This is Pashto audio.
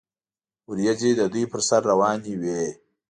وریځې د دوی پر سر روانې وې.